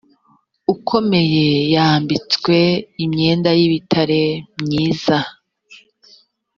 ukomeye wambitswe imyenda y ibitare myiza